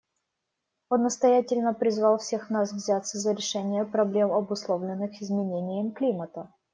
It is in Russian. Он настоятельно призвал всех нас взяться за решение проблем, обусловленных изменением климата.